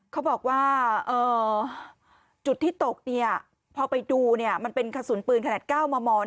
เขาบอกว่าจุดที่ตกพอไปดูมันเป็นกระสุนปืนขนาด๙มม